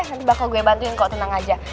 nanti bakal gue bantuin kok tenang aja